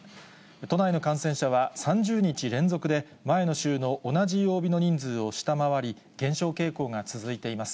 都内の感染者は３０日連続で前の週の同じ曜日の人数を下回り、減少傾向が続いています。